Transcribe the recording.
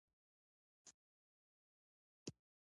دوی غوښتل چې په بل ځای کې کاروبار پيل کړي.